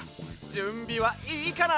じゅんびはいいかな？